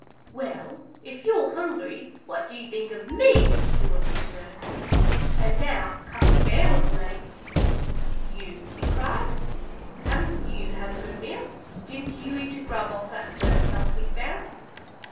"Well, if you're hungry, what do you think of me?" he wanted to know. And now Cuffy Bear was amazed. "You!" he cried. "Haven't you had a good meal? Didn't you eat a grub off that first stump we found?"